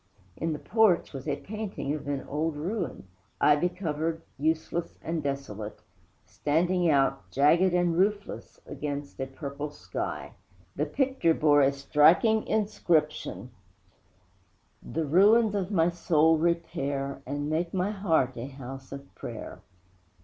In the porch was a painting of an old ruin ivy covered, useless and desolate standing out, jagged and roofless, against a purple sky. The picture bore a striking inscription: The ruins of my soul repair And make my heart a house of prayer.